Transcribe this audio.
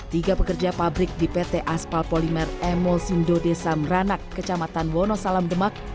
tiga pekerja pabrik di pt aspal polimer emol sindode samranak kecamatan wonosalam demak